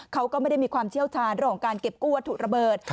เขาก็ไม่ได้มีความเชี่ยวชาญเรื่องของการเก็บกู้วัตถุระเบิด